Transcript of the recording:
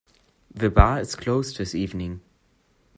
The bar is closed this evening.